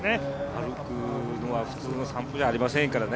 歩くのは普通の散歩じゃありませんからね。